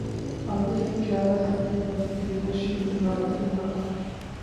عالمی بینک کے اعلی سطحی وفد کی مشیر خزانہ سے ملاقات